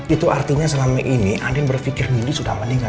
itu artinya selama ini andin berpikir nindi sudah meninggal